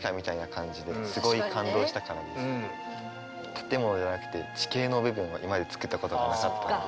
建物じゃなくて地形の部分は今まで作ったことがなかったので。